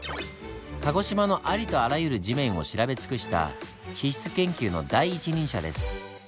鹿児島のありとあらゆる地面を調べ尽くした地質研究の第一人者です。